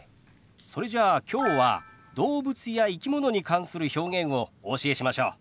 それじゃあきょうは動物や生き物に関する表現をお教えしましょう。